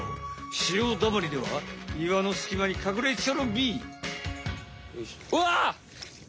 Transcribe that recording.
潮だまりでは岩のすきまにかくれちょるび。